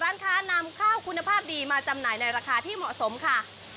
ร้านค้านำข้าวคุณภาพดีมาจำหน่ายในราคาที่เหมาะสมค่ะ